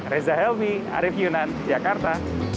reza helmi arief yunan jakarta